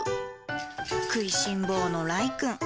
食いしん坊のらいくん。